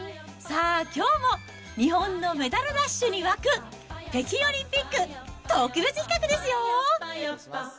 さあ、きょうも日本のメダルラッシュに沸く北京オリンピック特別企画ですよ。